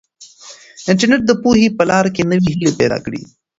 انټرنیټ د پوهې په لاره کې نوې هیلې پیدا کړي دي.